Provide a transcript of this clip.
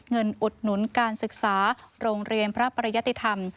อุดหนุนการศึกษาโรงเรียนพระปริยติธรรม